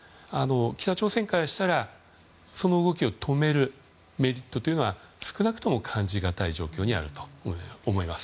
北朝鮮からしたらその動きを止めるメリットは少なくとも感じがたい状況にあると思います。